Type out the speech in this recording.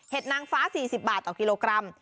นางฟ้า๔๐บาทต่อกิโลกรัม